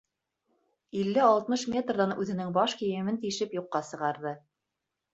Илле-алтмыш метрҙан үҙенең баш кейемен тишеп юҡҡа сығарҙы.